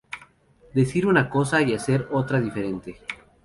Decir una cosa y hacer otra diferente.